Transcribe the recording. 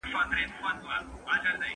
ولي ځيني هیوادونه استازی نه مني؟